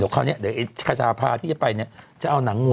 เดี๊ยวเขานี่ไอ้กระจาภาพที่จะไปจะเอาหนังงัว